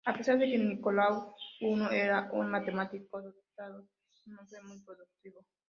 A pesar de que Nicolaus I era un matemático dotado, no fue muy productivo.